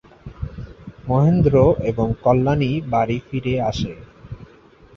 মহেন্দ্র এবং কল্যাণী বাড়ি ফিরে আসে।